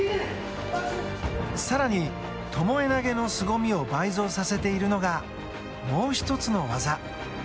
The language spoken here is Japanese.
更に、ともえ投げのすごみを倍増させているのがもう１つの技。